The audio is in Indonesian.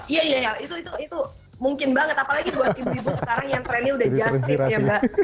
iya iya itu mungkin banget apalagi buat ibu ibu sekarang yang trennya udah just tip ya mbak